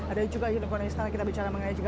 ada juga orang orang istana kita bicara mengenai